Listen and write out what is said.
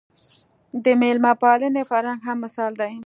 د مېلمه پالنې فرهنګ هم مثال دی